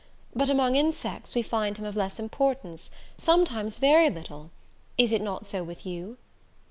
But among insects we find him of less importance, sometimes very little. Is it not so with you?"